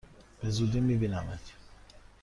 به زودی می بینمت!